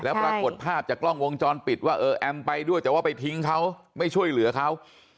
แล้วปรากฏภาพจากกล้องวงจรปิดว่าเออแอมไปด้วยแต่ว่าไปทิ้งเขาไม่ช่วยเหลือเขา